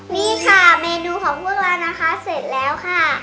นี่ค่ะเมนูของพวกเรานะคะเสร็จแล้วค่ะ